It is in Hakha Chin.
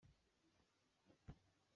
Nam kawng ah nam kan sawh.